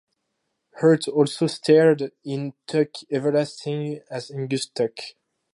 Hurt also starred in "Tuck Everlasting" as Angus Tuck.